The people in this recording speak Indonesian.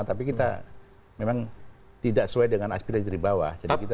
tapi kita memang tidak sesuai dengan aspirasi dari bawah